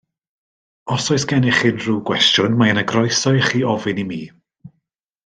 Os oes gennych unrhyw gwestiwn, mae yna groeso ichi ofyn i mi